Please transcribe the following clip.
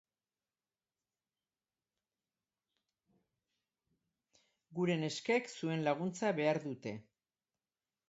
Gure neskek zuen laguntza behar dute!